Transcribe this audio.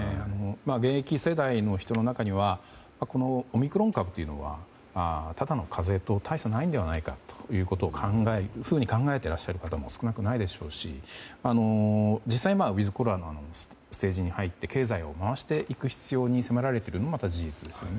現役世代の人の中にはオミクロン株というのはただの風邪と大差ないのではないかと考えていらっしゃる方も少なくないでしょうし実際、ウィズコロナのステージに入って経済を回していく必要に迫られているのもまた事実ですよね。